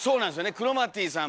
クロマティさん